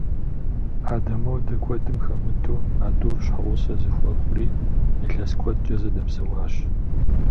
Адэ-модэ куэдым хэмыту, а тӏур щхьэгъусэ зэхуэхъури, илъэс куэдкӏэ зэдэпсэуащ.